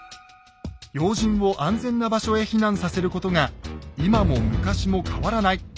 要人を安全な場所へ避難させることが今も昔も変わらない鉄則です。